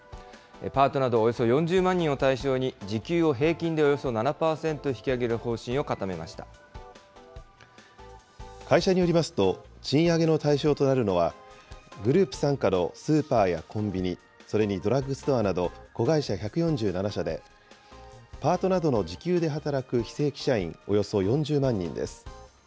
パートなどおよそ４０万人を対象に、時給を平均でおよそ７％引き会社によりますと、賃上げの対象となるのは、グループ傘下のスーパーやコンビニ、それにドラッグストアなど子会社１４７社で、パートなどの時給で働く非正規社員およそ４０万人です。